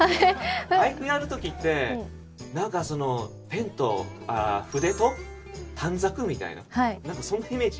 俳句やる時って何か筆と短冊みたいな何かそんなイメージ？